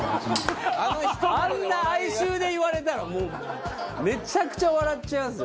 あんな哀愁で言われたらもうめちゃくちゃ笑っちゃいますよ。